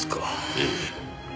ええ。